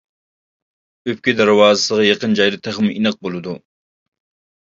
ئۆپكە دەرۋازىسىغا يېقىن جايدا تېخىمۇ ئېنىق بولىدۇ.